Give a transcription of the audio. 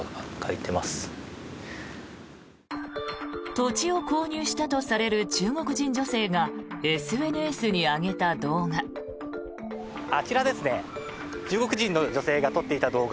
土地を購入したとされる中国人女性がＳＮＳに上げた動画。